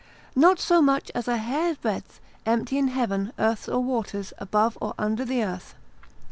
Not so much as a hair breadth empty in heaven, earth, or waters, above or under the earth.